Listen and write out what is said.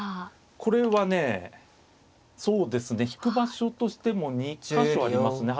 これはね引く場所としても２か所ありますね。